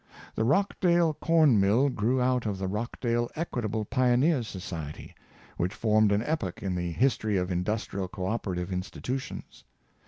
The Rochdale Corn mill grew out of the Rochdale Equitable Pioneers' Societ}^, which formed an epoch in the history of industrial co operative institutions.